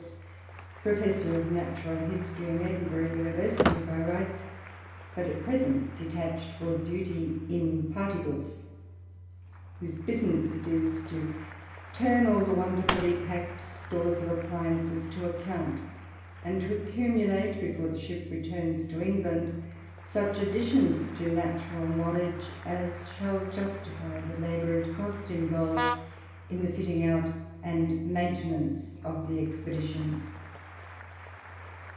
S. (Professor of Natural History in Edinburgh University by rights, but at present detached for duty in partibus), whose business it is to turn all the wonderfully packed stores of appliances to account, and to accumulate, before the ship returns to England, such additions to natural knowledge as shall justify the labour and cost involved in the fitting out and maintenance of the expedition.